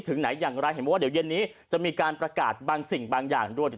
ถึงไหนอย่างไรเห็นบอกว่าเดี๋ยวเย็นนี้จะมีการประกาศบางสิ่งบางอย่างด้วย